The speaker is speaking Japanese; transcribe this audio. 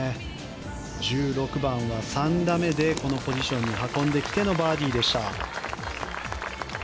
１６番は３打目でこのポジションに運んできてのバーディーでした。